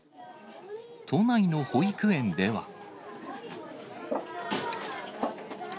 都内の保育園では。